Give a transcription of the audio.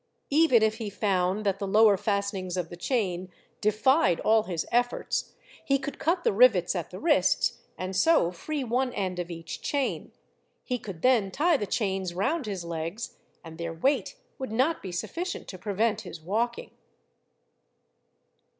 Even if he found that the lower fastenings of the chain defied all his efforts, he could cut the rivets at the wrists, and so free one end of each chain. He could then tie the chains round his legs, and their weight would not be sufficient to prevent his walking.